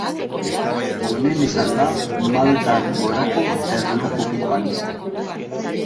Onena izan da maldan gorako erlojupekoan.